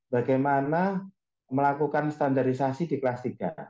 bagaimana melakukan standarisasi di kelas tiga